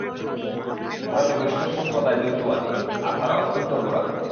ভারতে বৈষ্ণব সম্প্রদায় দ্বৈতবাদী, আর তারা অত্যন্ত গোঁড়া।